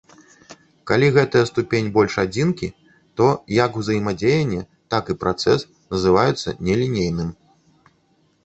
Калі гэтая ступень больш адзінкі, то як узаемадзеянне, так і працэс называюцца нелінейным.